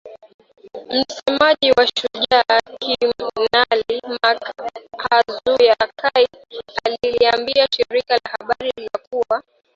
Msemaji wa Shujaa Kanali Mak Hazukay aliliambia shirika la habari la kuwa